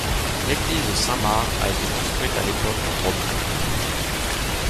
L'église Saint-Marc a été construite à l'époque romane.